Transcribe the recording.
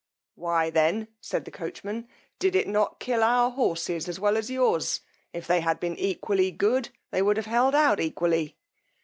Why then, said the coachman, did it not kill our horses as well as yours; if they had been equally good, they would have held out equally.